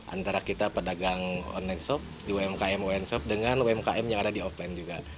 antara kita pedagang online shop di umkm online shop dengan umkm yang ada di offline juga